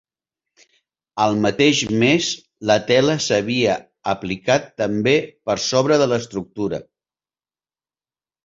Al mateix mes, la tela s'havia aplicat també per sobre de l'estructura.